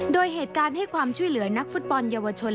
โดยเหตุการณ์ให้ความช่วยเหลือนักฟุตบอลเยาวชน